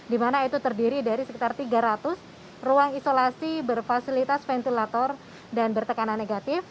di mana itu terdiri dari sekitar tiga ratus ruang isolasi berfasilitas ventilator dan bertekanan negatif